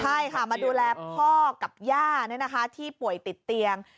ใช่ค่ะมาดูแลพ่อกับย่าที่ป่วยติดเตียง